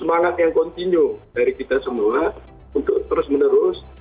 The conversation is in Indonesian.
semangat yang kontinu dari kita semua untuk terus menerus